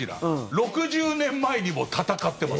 ６０年前にも戦っています。